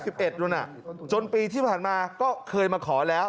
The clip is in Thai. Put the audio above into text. ๒๑๕๑บาทจนปีที่ผ่านมาก็เคยมาขอแล้ว